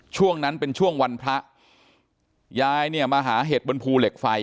ช่วงนั้นเป็นช่วงวันพระยายเนี่ยมาหาเห็ดบนภูเหล็กไฟ